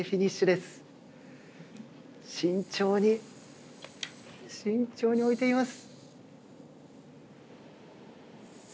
慎重に慎重に置いています。